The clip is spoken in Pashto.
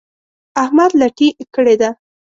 احمد لټي کړې ده.